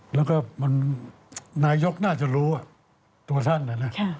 แล้วก็มันนายกน่าจะรู้ตัวท่านนะนะ